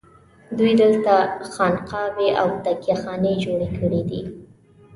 دوی دلته خانقاوې او تکیه خانې جوړې کړي دي.